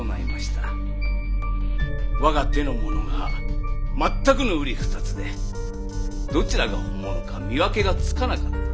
我が手の者が全くのうり二つでどちらが本物か見分けがつかなかったと。